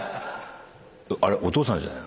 お父さんじゃない？